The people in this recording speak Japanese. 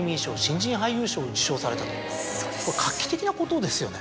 これ画期的なことですよね。